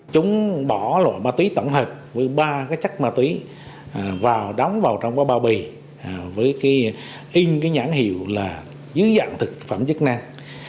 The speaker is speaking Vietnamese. chúng bỏ loại ma túy tổng hợp với ba cái chất ma túy vào đóng vào trong bao bì với cái in cái nhãn hiệu là dưới dạng thực phẩm chức năng